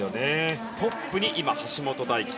トップに橋本大輝